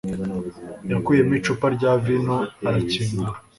yakuyemo icupa rya vino arakingura.